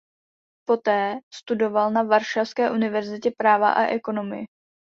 Poté studoval na Varšavské univerzitě práva a ekonomii.